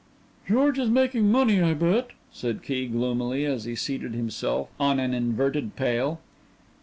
"George is makin' money, I bet," said Key gloomily as he seated himself on an inverted pail.